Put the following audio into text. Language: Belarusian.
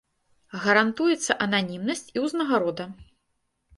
Гарантуецца ананімнасць і ўзнагарода.